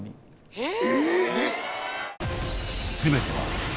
えっ！